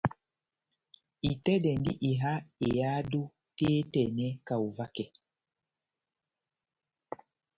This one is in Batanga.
Itɛ́dɛndi iha ehádo tɛ́h etɛnɛ kaho vakɛ.